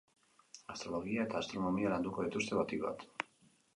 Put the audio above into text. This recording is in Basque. Astrologia eta astronomia landuko dituzte, batik bat.